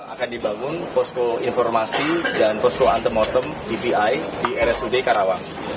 akan dibangun posku informasi dan posku antem wartem dvi di residu karawang